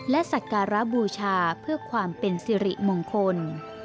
และสักการะบูชาเพื่อความเป็นสิริมงคล